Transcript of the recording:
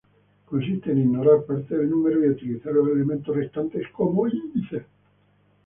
Consiste en ignorar parte del número y utilizar los elementos restantes como índice.